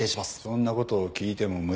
「そんなことを聞いても無駄だ」